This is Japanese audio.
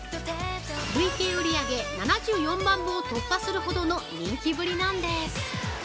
累計売り上げ７４万部を突破するほどの人気ぶりなんです。